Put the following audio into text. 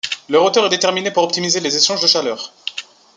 Leur hauteur est déterminée pour optimiser les échanges de chaleur.